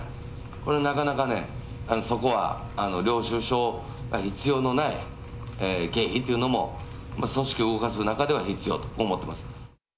これなかなかね、そこは領収書が必要のない経費というのも、組織を動かす中では必要、こう思っています。